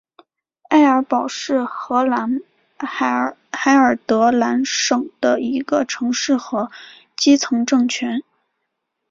埃尔堡是荷兰海尔德兰省的一个城市和基层政权。